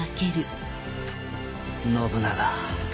信長。